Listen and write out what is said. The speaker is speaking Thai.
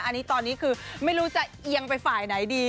อันนี้ตอนนี้คือไม่รู้จะเอียงไปฝ่ายไหนดี